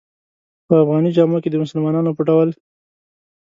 په افغاني جامو کې د مسلمانانو په ډول.